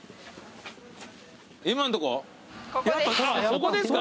そこですか？